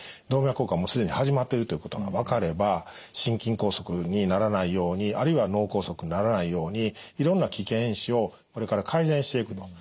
動脈硬化がもう既に始まっているということが分かれば心筋梗塞にならないようにあるいは脳梗塞にならないようにいろんな危険因子をこれから改善していくと。